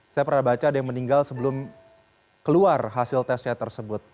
saya pernah baca ada yang meninggal sebelum keluar hasil tesnya tersebut